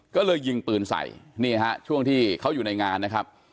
ก็เลยยิงปืนใส่นี่ฮะช่วงที่เขาอยู่ในงานนะครับ